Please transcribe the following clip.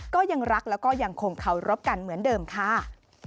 ก็ยังรักแล้วก็ยังคงเคารพกันเหมือนเดิมค่ะ